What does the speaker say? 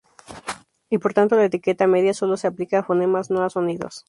Y por tanto la etiqueta "media" sólo se aplica a fonemas no a sonidos.